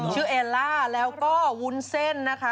ชื่อเอลล่าแล้วก็วุ้นเซ่นนะคะ